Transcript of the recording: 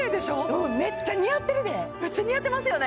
うんめっちゃ似合ってるでめっちゃ似合ってますよね